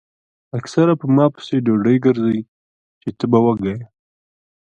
اکثر پۀ ما پسې ډوډۍ ګرځئ چې تۀ به وږے ئې ـ